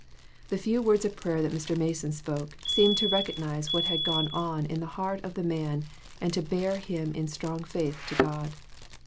The few words of prayer that Mr. Mason spoke, seemed to recognize what had gone on in the heart of the man and to bear him in strong faith to God.